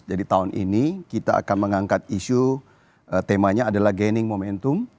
jadi tahun ini kita akan mengangkat isu temanya adalah gaining momentum